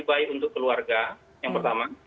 baik untuk keluarga yang pertama